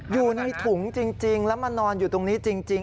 อยู่ในถุงจริงแล้วมานอนอยู่ตรงนี้จริง